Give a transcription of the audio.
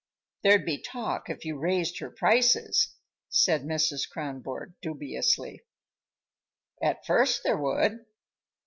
"There'd be talk if you raised her prices," said Mrs. Kronborg dubiously. "At first there would.